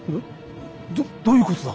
どっどういうことだ？